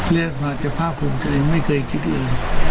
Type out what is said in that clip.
เรียกมาจะภาพภูมิใจไม่เคยคิดอื่น